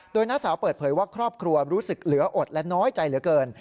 โดยน้าสาวเปิดเผยว่าครอบครัวรู้สึกเหลืออดและน้อยใจเหลือเกิน